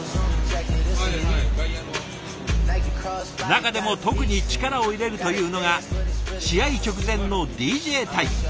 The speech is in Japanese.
中でも特に力を入れるというのが試合直前のＤＪタイム。